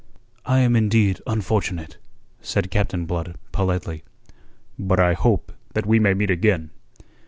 "I am indeed unfortunate," said Captain Blood politely. "But I hope that we may meet again."